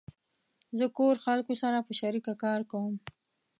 زه کور خلقو سره په شریکه کار کوم